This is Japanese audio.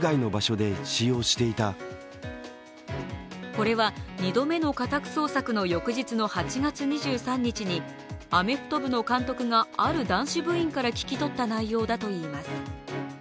これは２度目の家宅捜索の日の翌日の８月２３日に、アメフト部の監督が、ある男子部員から聞き取った内容だといいます。